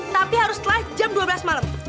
tapi harus setelah jam dua belas malam